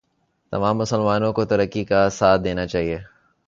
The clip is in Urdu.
تمام مسلمانوں کو ترکی کا ساتھ دینا چاہئے